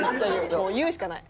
もう言うしかない。